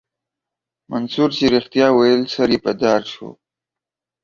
منصور چې رښتيا ويل سر يې په دار سو.